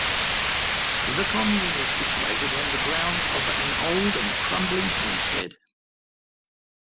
The commune is situated on the grounds of an old and crumbling homestead.